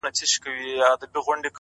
o هغه نن بيا د چا د ياد گاونډى ـ